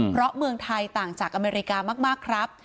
เพราะเมืองไทยต่างจากอเมริกามากครับ